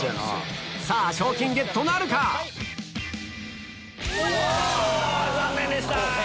さぁ賞金ゲットなるか⁉残念でした！